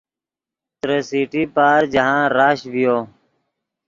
ترے سٹی پارک جاہند رش ڤیو